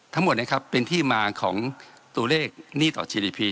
ทั้งหมดนะครับเป็นที่มาของตัวเลขหนี้ต่อชีดีพี